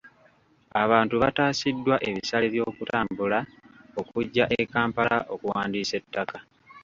Abantu bataasiddwa ebisale by'okutambula okujja e Kampala okuwandiisa ettaka.